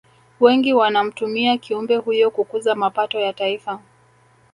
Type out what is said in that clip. Wengi wanamtumia kiumbe huyo kukuza mapato ya taifa